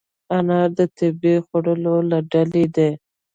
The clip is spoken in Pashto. انار د طبیعي خوړو له ډلې دی.